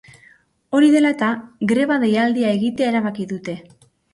Hori dela eta, greba deialdia egitea erabaki dute.